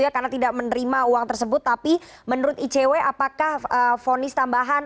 karena tidak menerima uang tersebut tapi menurut icw apakah fonis tambahan